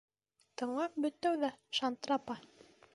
— Тыңлап бөт тәүҙә, шантрапа.